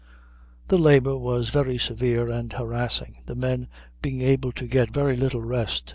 The labor was very severe and harassing, the men being able to get very little rest.